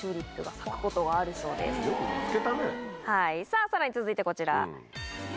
さぁさらに続いてこちら。